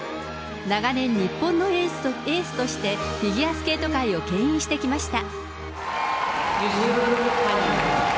長年、日本のエースとして、フィギュアスケート界をけん引してきました。